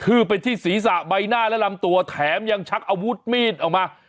คือไปที่ศีรษะใบหน้าและลำตัวแถมยังชักอาวุธมีดออกมา